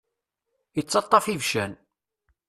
Ittaṭṭaf ibeccan.